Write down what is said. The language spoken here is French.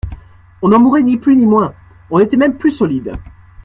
On n'en mourait ni plus ni moins … On était même plus solide.